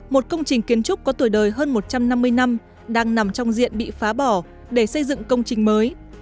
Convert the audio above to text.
một công trình kiến trúc có tuổi đời hơn một trăm năm mươi năm đang nằm trong diện bị phá bỏ để xây dựng công trình mới